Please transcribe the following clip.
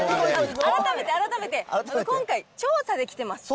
改めて、改めて、今回、調査で来てます。